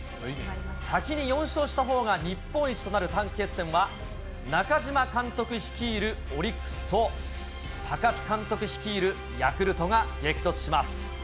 先に４勝したほうが日本一となる短期決戦は、中嶋監督率いるオリックスと高津監督率いるヤクルトが激突します。